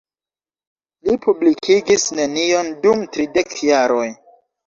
Li publikigis nenion dum tridek jaroj.